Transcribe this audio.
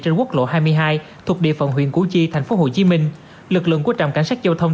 trên quốc lộ hai mươi hai thuộc địa phận huyện củ chi tp hcm lực lượng của trạm cảnh sát giao thông